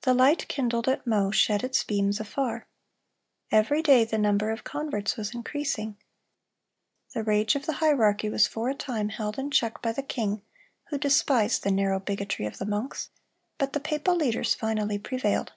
The light kindled at Meaux shed its beams afar. Every day the number of converts was increasing. The rage of the hierarchy was for a time held in check by the king, who despised the narrow bigotry of the monks; but the papal leaders finally prevailed.